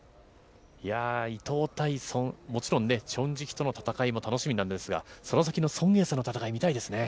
伊藤対、もちろんね、チョン・ジヒとの戦いも楽しみなんですが、その先のソンエイサとの戦いも見たいですね。